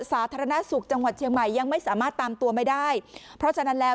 สาธารณสุขจังหวัดเชียงใหม่ยังไม่สามารถตามตัวไม่ได้เพราะฉะนั้นแล้ว